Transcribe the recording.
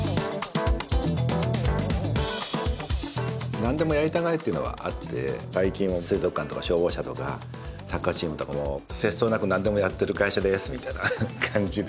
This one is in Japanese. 何でもやりたがりっていうのはあって最近は水族館とか消防車とかサッカーチームとかも節操なく何でもやってる会社ですみたいな感じで。